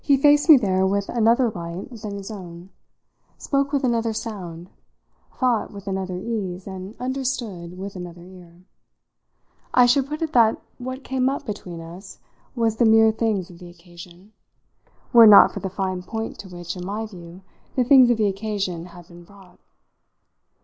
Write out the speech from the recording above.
He faced me there with another light than his own, spoke with another sound, thought with another ease and understood with another ear. I should put it that what came up between us was the mere things of the occasion, were it not for the fine point to which, in my view, the things of the occasion had been brought.